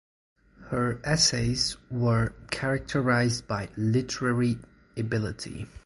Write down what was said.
Her essays were characterized by literary ability.